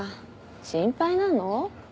心配なの？